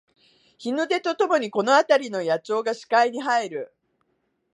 日の出とともにこのあたりの野鳥が視界に入る